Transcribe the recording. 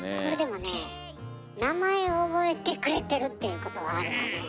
これでもね名前覚えてくれてるっていうことはあるわね。